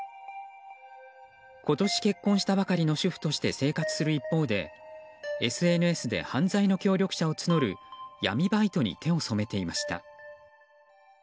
今年結婚したばかりの主婦として生活する一方でＳＮＳで犯罪の協力者を募る闇バイトに手を染めていました。